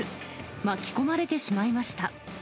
巻き込まれてしまいました。